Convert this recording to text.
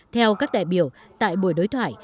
theo các đại biểu tại buổi đối thoại